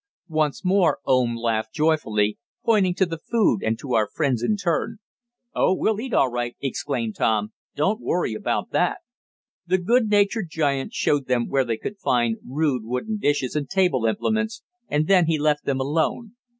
Once more Oom laughed joyfully, pointing to the food and to our friends in turn. "Oh, we'll eat all right!" exclaimed Tom. "Don't worry about that!" The good natured giant showed them where they could find rude wooden dishes and table implements, and then he left them alone.